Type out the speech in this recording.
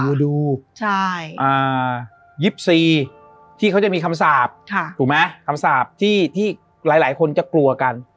มือดูลิฟท์๔ที่ก็จะมีคำสาปที่หลายคนจะกลัวกัน